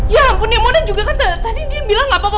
ya ampun nih mona juga kan tadi dia bilang gak apa apa